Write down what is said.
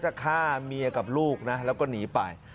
ไม่ใช่ทุนเนี่ยน่าจะฆ่าเมียกับลูกนะแล้วก็หนีไป